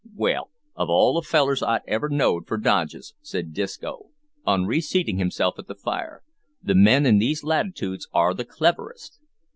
"Well, of all the fellers I ever know'd for dodges," said Disco, on reseating himself at the fire, "the men in these latitudes are the cleverest."